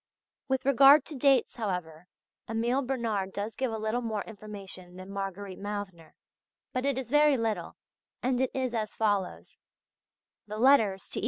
With regard to dates, however, Emile Bernard does give a little more information than Margarete Mauthner; but it is very little, and it is as follows: the letters to E.